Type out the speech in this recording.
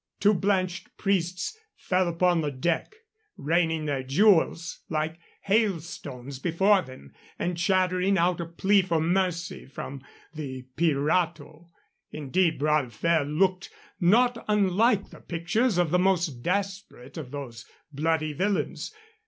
Two blanched priests fell upon the deck, raining their jewels like hailstones before them and chattering out a plea for mercy from the pirato. Indeed, Bras de Fer looked not unlike the pictures of the most desperate of those bloody villains.